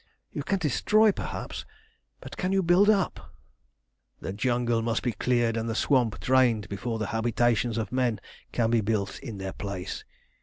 You can destroy, perhaps, but can you build up?" "The jungle must be cleared and the swamp drained before the habitations of men can be built in their place.